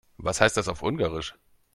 Was heißt das auf Ungarisch?